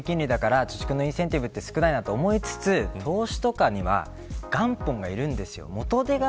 インフレ気味で低金利だから貯蓄のインセンティブは少ないなと思いつつ投資とかには元本がいるんですよ